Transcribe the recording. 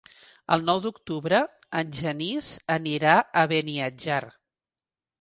El nou d'octubre en Genís anirà a Beniatjar.